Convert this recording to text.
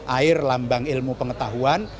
air lambang ilmu pengetahuan